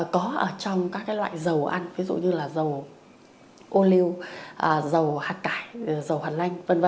có ở trong các loại dầu ăn ví dụ như dầu ô liu dầu hạt cải dầu hạt lanh